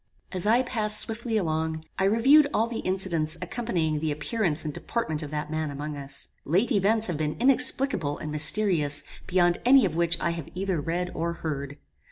"As I passed swiftly along, I reviewed all the incidents accompanying the appearance and deportment of that man among us. Late events have been inexplicable and mysterious beyond any of which I have either read or heard.